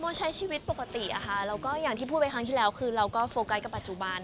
ใช้ชีวิตปกติอะค่ะแล้วก็อย่างที่พูดไปครั้งที่แล้วคือเราก็โฟกัสกับปัจจุบัน